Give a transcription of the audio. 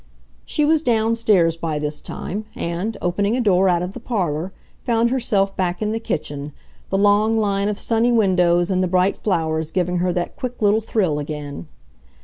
She was downstairs by this time, and, opening a door out of the parlor, found herself back in the kitchen, the long line of sunny windows and the bright flowers giving her that quick little thrill again.